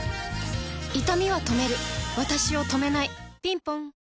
いたみは止めるわたしを止めないぴんぽん